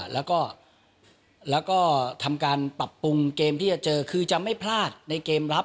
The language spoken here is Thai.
แล้วก็ทำการปรับปรุงเกมที่จะเจอคือจะไม่พลาดในเกมรับ